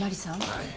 はい。